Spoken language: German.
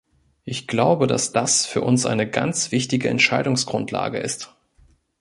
Ich glaube, dass das für uns eine ganz wichtige Entscheidungsgrundlage ist.